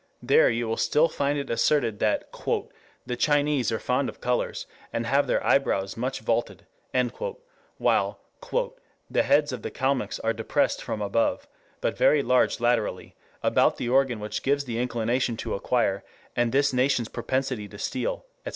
There you will still find it asserted that "the Chinese are fond of colors, and have their eyebrows much vaulted" while "the heads of the Calmucks are depressed from above, but very large laterally, about the organ which gives the inclination to acquire; and this nation's propensity to steal, etc.